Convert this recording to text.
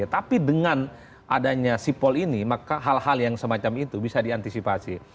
tapi dengan adanya sipol ini maka hal hal yang semacam itu bisa diantisipasi